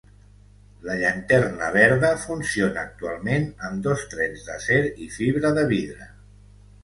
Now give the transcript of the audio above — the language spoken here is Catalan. La Llanterna Verda funciona actualment amb dos trens d'acer i fibra de vidre.